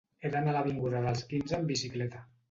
He d'anar a l'avinguda dels Quinze amb bicicleta.